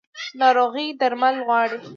ناروغي درمل غواړي